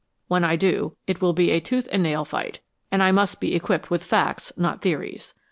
When I do, it will be a tooth and nail fight, and I must be equipped with facts, not theories.